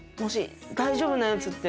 大丈夫なやつって。